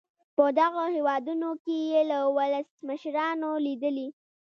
په دغو هېوادونو کې یې له ولسمشرانو لیدلي.